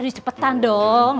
aduh cepetan dong